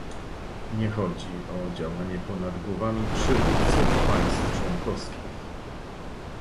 Nie chodzi o działanie ponad głowami przywódców państw członkowskich